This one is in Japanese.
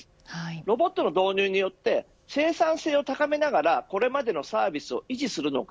ロボットの導入によって生産性を高めながらこれまでのサービスを維持するのか。